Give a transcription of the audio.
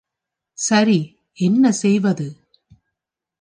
சரி, என்ன செய்வது?